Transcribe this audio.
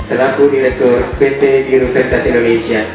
selaku direktur pt biro veritas indonesia